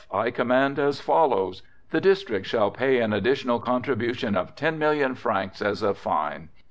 I command, as follows: "The district shall pay an additional contribution of ten million francs, as a fine.